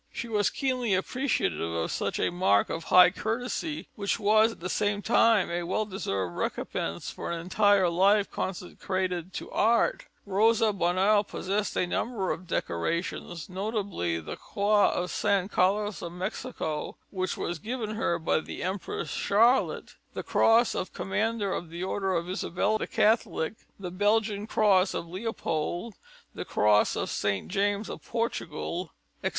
She was keenly appreciative of such a mark of high courtesy, which was at the same time a well deserved recompense for an entire life consecrated to art. Rosa Bonheur possessed a number of decorations, notably the Cross of San Carlos of Mexico which was given her by the Empress Charlotte, the Cross of Commander of the Order of Isabella the Catholic, the Belgian Cross of Leopold, the Cross of Saint James of Portugal, etc.